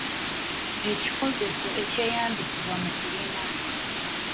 Ekikozeso ekyeyambisibwa mu kulima.